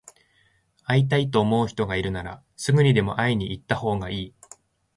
会いたいと思う人がいるなら、すぐにでも会いに行ったほうがいい。